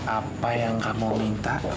apa yang kamu minta